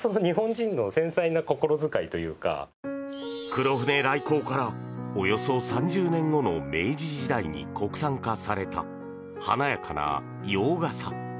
黒船来航からおよそ３０年後の明治時代に国産化された華やかな洋傘。